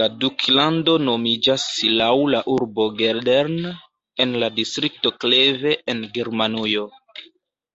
La duklando nomiĝas laŭ la urbo Geldern en la distrikto Kleve en Germanujo.